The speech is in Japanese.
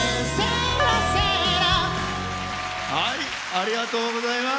ありがとうございます。